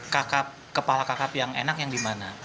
kakak kepala kakap yang enak yang dimana